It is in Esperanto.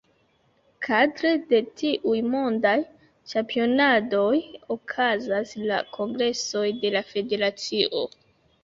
Kadre de tiuj mondaj ĉampionadoj okazas la kongresoj de la federacio.